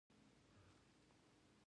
په ټولنه کی هغه رواجونه چي بد دي ورک سي.